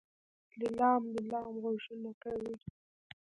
لیلام لیلام غږونه کوي.